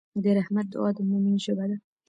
د رحمت دعا د مؤمن ژبه ده.